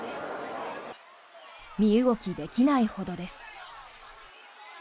身動きできないほどです。